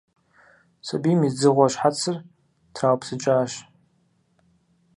Сабийм и «дзыгъуэ» щхьэцыр траупсыкӀащ.